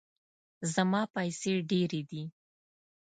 زما پیسې ډیرې دي